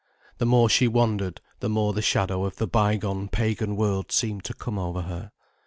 The more she wandered, the more the shadow of the by gone pagan world seemed to come over her.